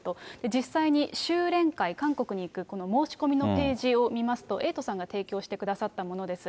実際に修練会、韓国に行くこの申し込みのページを見ますと、エイトさんが提供してくださったものです。